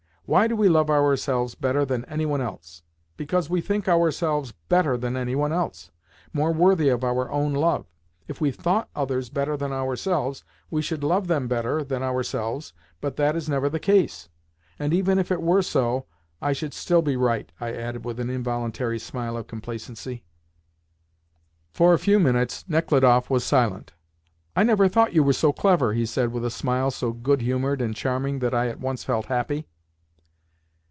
Why do we love ourselves better than any one else? Because we think ourselves better than any one else—more worthy of our own love. If we thought others better than ourselves, we should love them better than ourselves: but that is never the case. And even if it were so, I should still be right," I added with an involuntary smile of complacency. For a few minutes Nechludoff was silent. "I never thought you were so clever," he said with a smile so goodhumoured and charming that I at once felt happy.